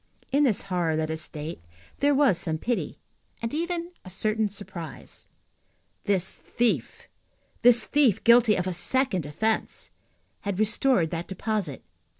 In this horror, let us state, there was some pity, and even a certain surprise. This thief, this thief guilty of a second offence, had restored that deposit.